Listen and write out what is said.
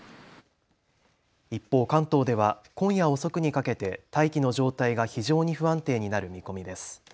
一方、関東では今夜遅くにかけて大気の状態が非常に不安定になる見込みです。